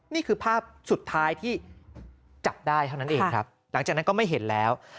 นี่คือภาพสุดท้ายที่จับได้เท่านั้นเองครับหลังจากนั้นก็ไม่เห็นแล้ว